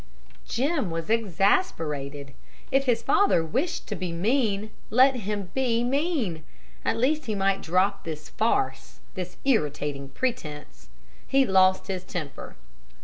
Jim was exasperated. If his father wished to be mean, let him be mean; at least he might drop this farce, this irritating pretense. He lost his temper.